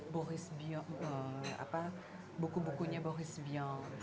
boris vian apa buku bukunya boris vian